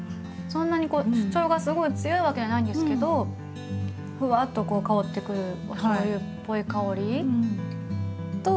そんなに主張がすごい強いわけじゃないんですけどふわっとこう香ってくるおしょうゆっぽい香りと。